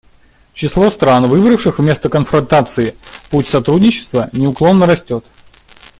Число стран, выбравших вместо конфронтации путь сотрудничества, неуклонно растет.